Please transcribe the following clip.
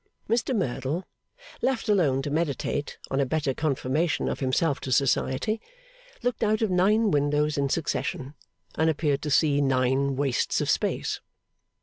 Mr Merdle, left alone to meditate on a better conformation of himself to Society, looked out of nine windows in succession, and appeared to see nine wastes of space.